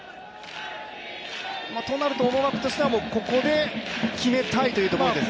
となると思惑としては、ここで決めたいというところですね。